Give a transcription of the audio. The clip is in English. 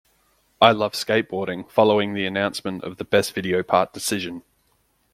I love skateboarding" following the announcement of the "Best Video Part" decision.